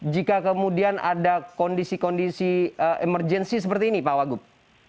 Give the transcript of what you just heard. jika kemudian ada kondisi kondisi emergensi seperti ini pak wagub